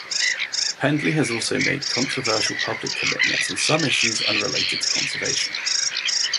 Pendley has also made controversial public comments on some issues unrelated to conservation.